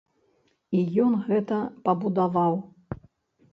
І ён гэта пабудаваў.